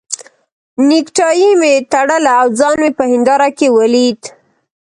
نېکټایي مې تړله او ځان مې په هنداره کې ولید.